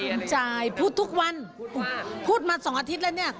ภูมิใจพูดทุกวันพูดมาพูดมา๒อาทิตย์แล้วนี่